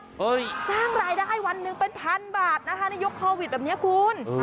จ้างรายได้เป็น๑๐๐๐บาทในยุคทราบแบบนี้คุณ